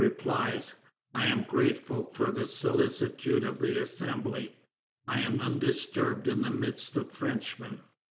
replies: "I am grateful for the solicitude of the Assembly; I am undisturbed in the midst of Frenchmen."